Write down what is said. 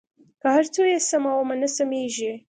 که هر څو یې سمومه نه سمېږي.